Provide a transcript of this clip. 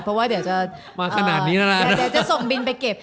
เพราะจะส่งบินไปเก็บ